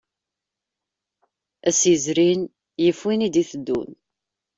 Ass yezrin yif win i d-iteddun.